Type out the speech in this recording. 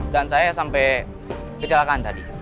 dan saya sampai kecelakaan tadi